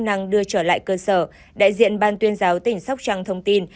năng đưa trở lại cơ sở đại diện ban tuyên giáo tỉnh sóc trăng thông tin